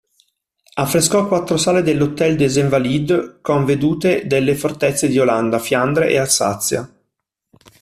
Affrescò quattro sale dell'Hôtel-des-Invalides con vedute delle fortezze di Olanda, Fiandre e Alsazia.